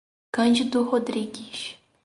Cândido Rodrigues